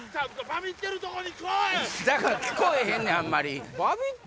だから聞こえへんねんあんまり。